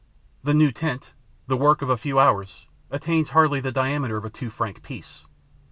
The new tent, the work of a few hours, attains hardly the diameter of a two franc piece.